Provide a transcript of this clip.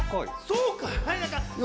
そうかい？